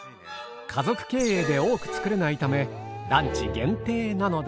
家族経営で多く作れないためランチ限定なのです。